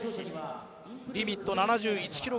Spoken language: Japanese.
リミット７１ｋｇ。